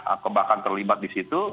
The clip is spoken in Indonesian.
atau bahkan terlibat di situ